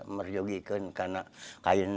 merjogikan karena kainnya